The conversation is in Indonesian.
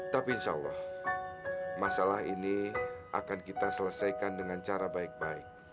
tapi insya allah masalah ini akan kita selesaikan dengan cara baik baik